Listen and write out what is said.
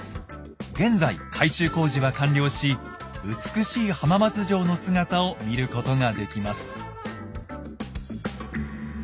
現在改修工事は完了し美しい浜松城の姿を見ることができます。